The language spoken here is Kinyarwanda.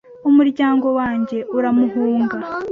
umuryango wanjye uramuhunga,